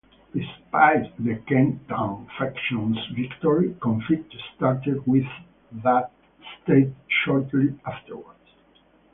Despite the Kengtung faction's victory, conflict started with that state shortly afterwards.